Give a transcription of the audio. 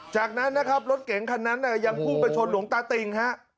จากนั้นนะครับรถเก๋งคันนั้นยังพุ่งไปชนหลวงตาติ่งฮะ